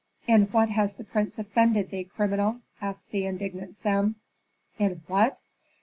"In what has the prince offended thee, criminal?" asked the indignant Sem. "In what?